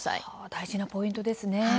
大事なポイントですね。